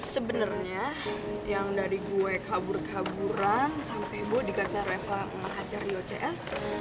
sebenernya yang dari gue kabur kaburan sampe bodyguardnya reva ngajar rio cs